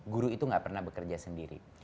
guru itu gak pernah bekerja sendiri